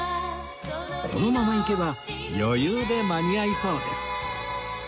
このままいけば余裕で間に合いそうです